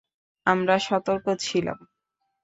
আমরা অসতর্ক ছিলাম।